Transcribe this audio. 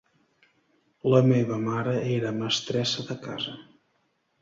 La meva mare era mestressa de casa.